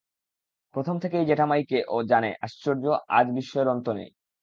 প্রথম থেকেই জ্যাঠাইমাকে ও জানে আশ্চর্য, আজ বিস্ময়ের অন্ত নেই।